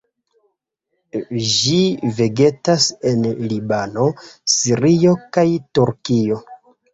Ĝi vegetas en Libano, Sirio, kaj Turkujo.